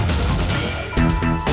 terima kasih chandra